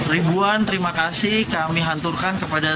ribuan terima kasih kami hanturkan kepada